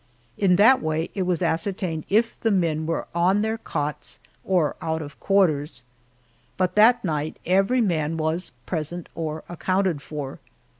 In that way it was ascertained if the men were on their cots or out of quarters. But that night every man was "present or accounted for."